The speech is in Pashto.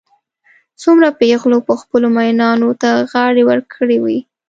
څومره پېغلو به خپلو مئینانو ته غاړې ورکړې وي.